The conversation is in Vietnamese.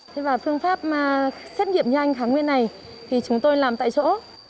thế và phương pháp xét nghiệm nhanh kháng nguyên này thì chúng tôi làm tại chỗ